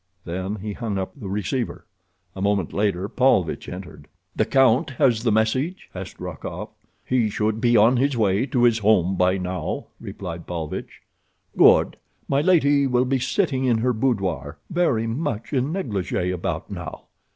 Then he hung up his receiver. A moment later Paulvitch entered. "The count has the message?" asked Rokoff. "He should be on his way to his home by now," replied Paulvitch. "Good! My lady will be sitting in her boudoir, very much in negligee, about now.